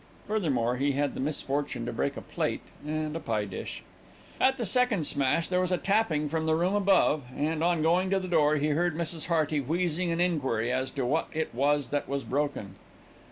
Furthermore, he had the misfortune to break a plate and a pie dish. At the second smash, there was a tapping from the room above, and, on going to the door, he heard Mrs. Hearty wheezing an enquiry as to what it was that was broken.